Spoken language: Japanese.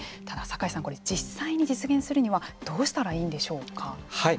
ただ、酒井さん実際に実現するにはどうしたらいいんでしょうか。